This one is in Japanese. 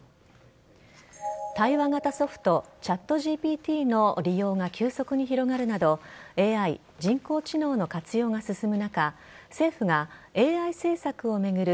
対話型ソフトＣｈａｔＧＰＴの利用が急速に広がるなどＡＩ＝人工知能の活用が進む中政府がＡＩ政策を巡る